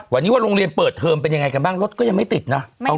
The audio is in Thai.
วันนี้ว่าโรงเรียนเปิดเทอมเป็นยังไงกันบ้างรถก็ยังไม่ติดนะ